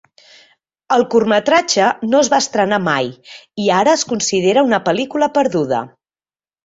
El curtmetratge no es va estrenar mai i ara es considera una pel·lícula perduda.